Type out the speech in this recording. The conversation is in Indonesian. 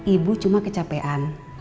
ibu cuma kecapean